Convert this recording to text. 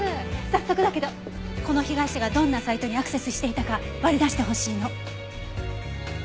早速だけどこの被害者がどんなサイトにアクセスしていたか割り出してほしいの。